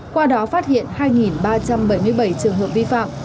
qua đó phát hiện hai ba trăm bảy mươi bảy trường hợp vi phạm